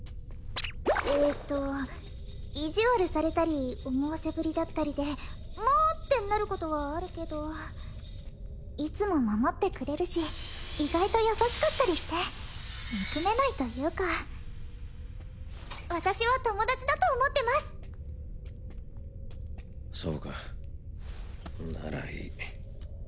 えーっと意地悪されたり思わせぶりだったりでもーってなることはあるけどいつも守ってくれるし意外と優しかったりして憎めないというか私は友達だと思ってますそうかならいい